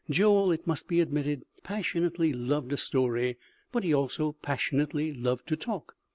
Joel (it must be admitted) passionately loved a story, but he also passionately loved to talk.